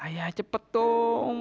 ayah cepet dong